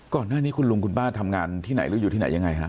ก่อนหน้านี้คุณลุงคุณป้าทำงานที่ไหนหรืออยู่ที่ไหนยังไงฮะ